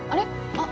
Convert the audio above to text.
あっ。